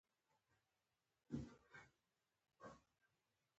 وزیران او د دربار نېږدې کسان یې راپسې را ولېږل.